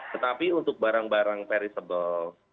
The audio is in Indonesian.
tetapi untuk barang barang perishable